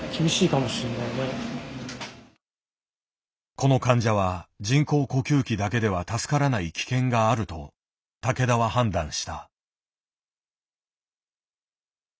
この患者は人工呼吸器だけでは助からない危険があると竹田は判断した。